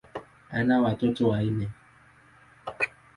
Ana watoto wanne.